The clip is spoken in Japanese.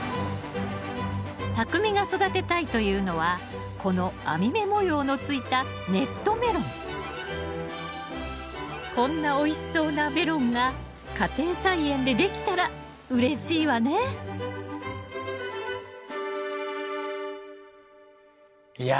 たくみが育てたいというのはこの網目模様のついたこんなおいしそうなメロンが家庭菜園でできたらうれしいわねいや